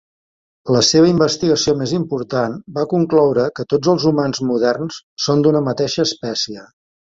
La seva investigació més important va concloure que tots els humans moderns són d'una mateixa espècie.